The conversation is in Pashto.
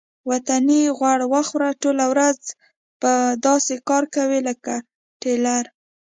وطني غوړ وخوره ټوله ورځ به داسې کار کوې لکه ټېلر.